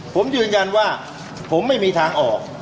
ผมยืนยันว่าผมไม่มีทางออก